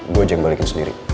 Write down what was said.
gue ajang balikin sendiri